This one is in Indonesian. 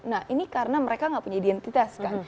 nah ini karena mereka nggak punya identitas kan